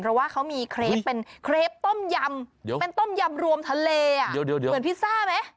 เพราะว่าเขามีเครปเป็นเครปต้มยำเป็นต้มยำรวมทะเลอ่ะเดี๋ยวเหมือนพิซซ่าไหม